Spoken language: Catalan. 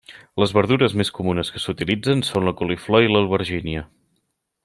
Les verdures més comunes que s'utilitzen són la coliflor i l'albergínia.